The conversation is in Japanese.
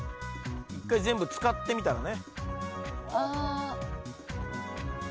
一回全部使ってみたらね。